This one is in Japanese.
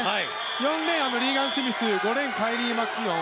４レーン、リーガン・スミス５レーン、カイリー・マキュオン